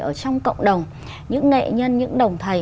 ở trong cộng đồng những nghệ nhân những đồng thầy